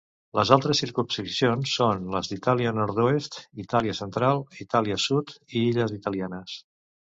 Les altres circumscripcions són les d'Itàlia nord-oest, Itàlia central, Itàlia sud i Illes italianes.